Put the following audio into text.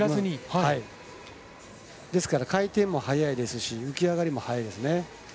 ですから回転も速いですし浮き上がりも早いです。